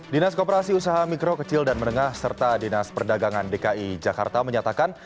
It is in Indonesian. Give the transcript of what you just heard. dinas koperasi usaha mikro kecil dan menengah serta dinas perdagangan dki jakarta menyatakan